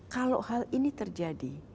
kalau hal ini terjadi